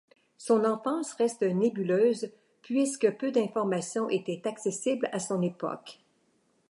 Son enfance reste nébuleuse puique peu d'informations étaient accessibles à son époque.